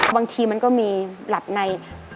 บางทีมันก็มีหลับใน